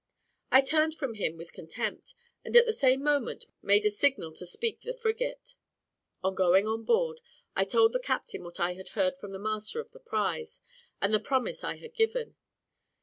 I turned from him with contempt, and at the same moment made the signal to speak the frigate. On going on board, I told the captain what I had heard from the master of the prize, and the promise I had given.